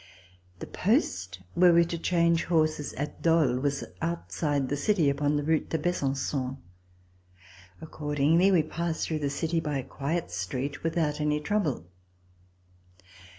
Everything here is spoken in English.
The post where we were to change horses at Dole was outside the city upon the route to Besanfon. Accordingly, we passed through the city by a quiet street without any trouble.